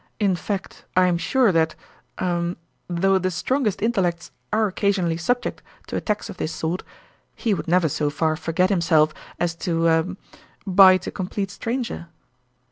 In fact I am sure that er though the strongest intellects are occasion ally subject to attacks of this sort, he would never so far forgot himself as to er bite a complete stranger."